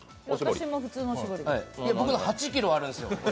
いや、僕の、８ｋｇあるんですよ。